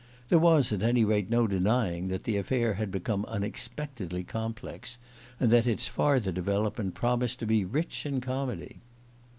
There was, at any rate, no denying that the affair had become unexpectedly complex, and that its farther development promised to be rich in comedy.